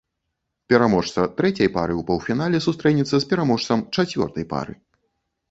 Пераможца трэцяй пары ў паўфінале сустрэнецца з пераможцам чацвёртай пары.